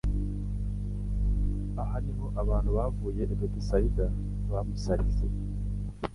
aho niho abantu bavuye i Betsaida bamusarize.